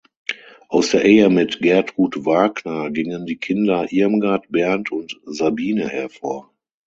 Aus der Ehe mit Gertrud Wagner gingen die Kinder Irmgard, Bernd und Sabine hervor.